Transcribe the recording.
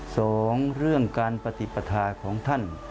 สองเรื่องการปฏิปทาของท่าน